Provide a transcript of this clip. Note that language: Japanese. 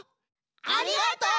ありがとう！